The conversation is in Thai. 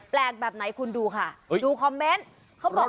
แปลกแบบไหนคุณดูค่ะดูคอมเมนต์